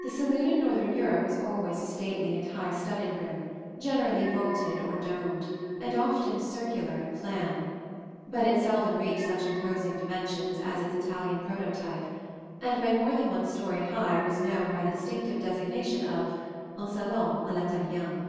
The saloon in northern Europe was always a stately and high studded room, generally vaulted or domed, and often circular in plan; but it seldom reached such imposing dimensions as its Italian prototype, and when more than one story high was known by the distinctive designation of un salon à l'italienne.